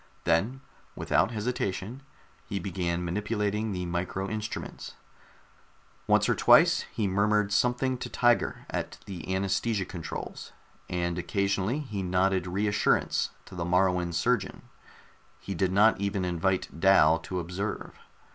Then, without hesitation, he began manipulating the micro instruments. Once or twice he murmured something to Tiger at the anaesthesia controls, and occasionally he nodded reassurance to the Moruan surgeon. He did not even invite Dal to observe.